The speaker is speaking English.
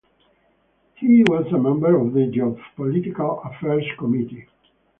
He was a member of the Geopolitical Affairs Committee.